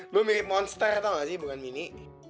lo mirip monster tau gak sih bukan mini